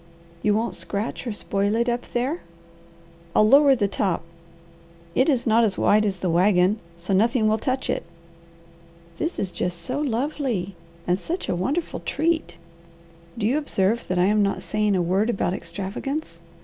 "You won't scratch or spoil it up there?" "I'll lower the top. It is not as wide as the wagon, so nothing will touch it." "This is just so lovely, and such a wonderful treat, do you observe that I'm not saying a word about extravagance?"